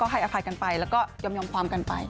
เรื่องราวนะครับก็ให้อภัยกันไปแล้วก็ยอมความกันไป